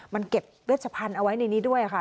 มันเก็บเวชพันธุ์เอาไว้ในนี้ด้วยค่ะ